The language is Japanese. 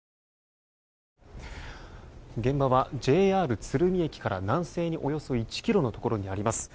現場はＪＲ鶴見駅から南西におよそ１ｋｍのところにあります。